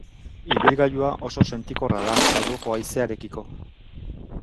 Ibilgailua oso sentikorra da alboko haizearekiko.